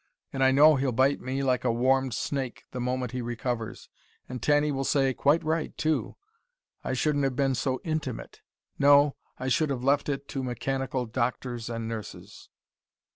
And I KNOW he'll bite me, like a warmed snake, the moment he recovers. And Tanny will say 'Quite right, too,' I shouldn't have been so intimate. No, I should have left it to mechanical doctors and nurses.